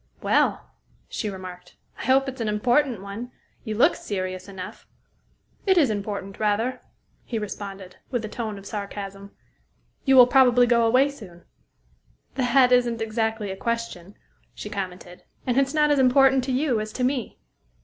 "Well," she remarked, "I hope it's an important one. You look serious enough." "It is important, rather," he responded, with a tone of sarcasm. "You will probably go away soon?" "That isn't exactly a question," she commented, "and it's not as important to you as to me."